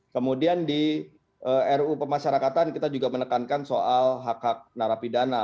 kemudian di ru pemasyarakatan kita juga menekankan soal hak hak narapidana